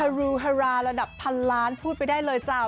รูฮาราระดับพันล้านพูดไปได้เลยจ้า